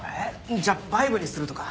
じゃあバイブにするとか。